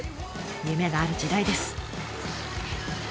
夢がある時代です。